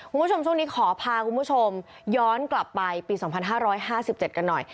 คุณผู้ชมช่วงนี้ขอพาคุณผู้ชมย้อนกลับไปปี๒๕๕๗กันหน่อย